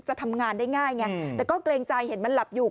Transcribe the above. จะทำงานได้ง่ายไงแต่ก็เกรงใจเห็นมันหลับอยู่